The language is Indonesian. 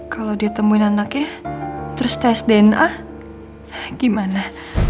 kalau dia temuin anaknya terus tes dna gimana